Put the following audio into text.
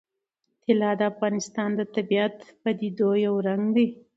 طلا د افغانستان د طبیعي پدیدو یو رنګ دی.